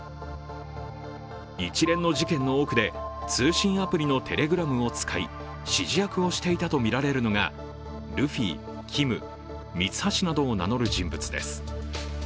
一連の事件の多くで通信アプリのテレグラムを使い指示役をしていたとみられるのがルフィ、キム、ミツハシなどを名乗る人物です。